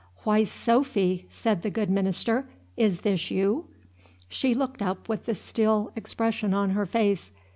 "Why, Sophy!" said the good minister, "is this you?" She looked up with the still expression on her face.